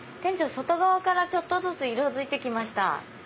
外側からちょっとずつ色づいて来ました。